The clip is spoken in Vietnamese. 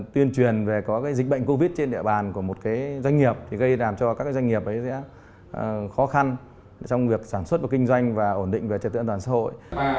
tuyên truyền về có dịch bệnh covid trên địa bàn của một doanh nghiệp gây làm cho các doanh nghiệp khó khăn trong việc sản xuất và kinh doanh và ổn định trật tự an toàn sội